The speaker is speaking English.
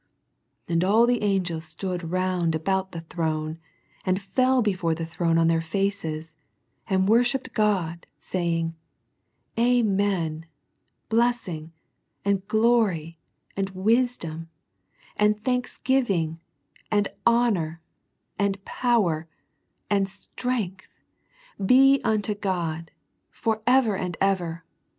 And all the angels stood round about the throne, and fell before the throne on their faces, and wor shipped God, saying. Amen : Blessing, and glory, and power, and strength, be unto God, for ever and ever.